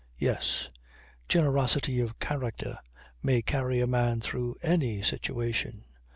Yes. Generosity of character may carry a man through any situation.